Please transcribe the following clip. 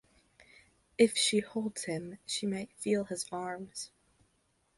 If she holds him, she might feel his arms.